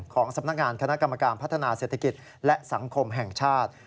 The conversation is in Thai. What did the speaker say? ของสำนักงานคณะกรรมการพัฒนาเศรษฐกิจและสังคมแห่งชาติ